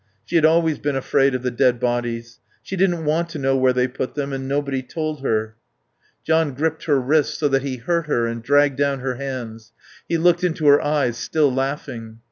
She had always been afraid of the dead bodies. She didn't want to know where they put them, and nobody told her. John gripped her wrists so that he hurt her and dragged down her hands. He looked into her eyes, still laughing.